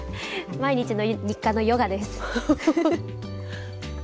毎日の日課のヨガです。